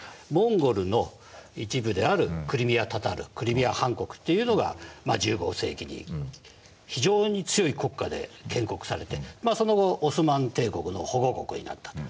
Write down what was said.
モンゴルの一部であるクリミア・タタールクリミア・ハン国というのが１５世紀に非常に強い国家で建国されてその後オスマン帝国の保護国になった。